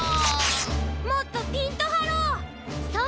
もっとピンとはろう！